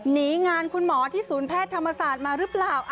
หนีงานคุณหมอที่ศูนย์แพทย์ธรรมศาสตร์มาหรือเปล่า